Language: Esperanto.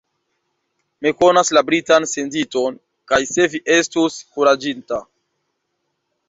Mi konas la Britan senditon, kaj se vi estus kuraĝinta.